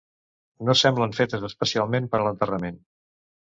No semblen fetes especialment per a l'enterrament.